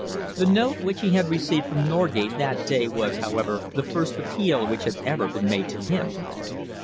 The note which he had received from Norgate that day was, however, the first appeal which had ever been made to him.